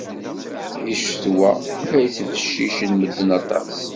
Deg ccetwa, ay ttbeccicen medden aṭas